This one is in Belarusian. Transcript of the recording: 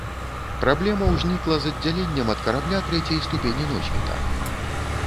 Праблема ўзнікла з аддзяленнем ад карабля трэцяй ступені носьбіта.